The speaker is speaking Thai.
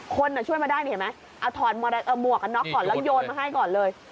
คนช่วยมาได้เห็นไหมเอาหมวกน็อคอร์ดแล้วยนมาให้ก่อนเลย